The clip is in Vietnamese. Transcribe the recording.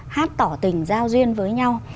hát tỏ tình giao duyên với nhau